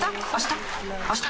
あした？